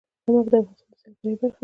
نمک د افغانستان د سیلګرۍ برخه ده.